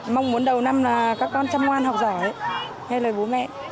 mong muốn đầu năm là các con chăm ngoan học giỏi theo lời bố mẹ